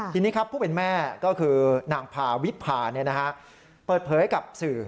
ทีนี้ครับผู้เป็นแม่ก็คือนางพาวิพาเปิดเผยกับสื่อ